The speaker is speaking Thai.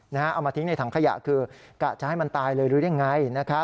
เอามาทิ้งในถังขยะคือกะจะให้มันตายเลยหรือยังไง